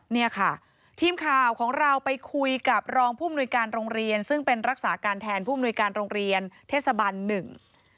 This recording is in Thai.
เนี่ยค่ะทีมข่าวของเราไปคุยกับรองผู้มนุยการโรงเรียนซึ่งเป็นรักษาการแทนผู้มนุยการโรงเรียนเทศบันหนึ่ง